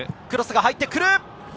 クロスが入ってくる。